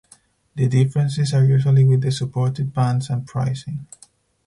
The differences are usually with the supported bands and pricing.